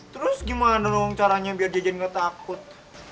terus gimana dong caranya biar jajan nggak takut